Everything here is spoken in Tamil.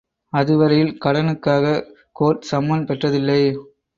அது வரையில் கடனுக்காக கோர்ட் சம்மன் பெற்றதில்லை.